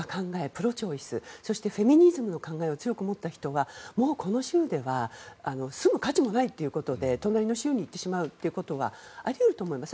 プロ・チョイスそしてフェミニズムの考えを強く持った人がもう、この州では住む価値もないということで隣の州に行ってしまうということはあり得ると思います。